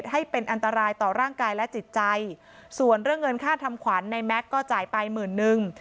ให้เป็นอันตรายต่อร่างกายและจิตใจส่วนเรื่องเงินค่าทำขวัญในแม็กซ์ก็จ่ายไปหมื่นนึง